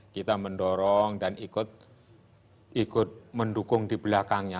kita mendorong dan ikut mendukung di belakangnya